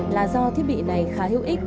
là do thiết bị này khá hữu ích